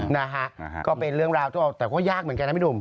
นะฮะก็เป็นเรื่องราวที่เอาแต่ก็ยากเหมือนกันนะพี่หนุ่ม